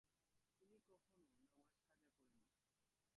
তিনি কখনো নামায কাযা করেন নি।